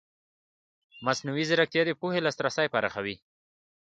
مصنوعي ځیرکتیا د پوهې لاسرسی پراخوي.